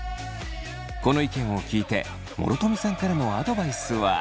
この意見を聞いて諸富さんからのアドバイスは。